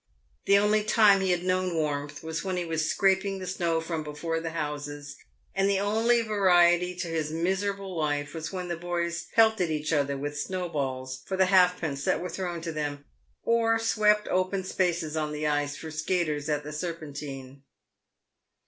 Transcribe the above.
The only time he had known warmth was when he was scraping the snow from before the houses, and the only variety to his miserable life was when the boys pelted each other with snow balls for the half pence that were thrown to them, or swept open spaces on the ice for skaters at the Serpentine.